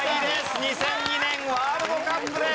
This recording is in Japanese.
２００２年ワールドカップです。